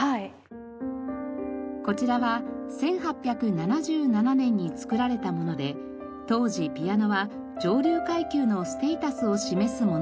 こちらは１８７７年に作られたもので当時ピアノは上流階級のステータスを示すものでした。